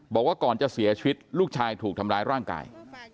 บอกว่าก่อนจะเสียชีวิตลูกชายถูกทำร้ายร่างกาย